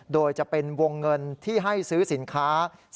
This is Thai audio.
โดยจะเป็นวงเงินที่ให้ซื้อสินค้า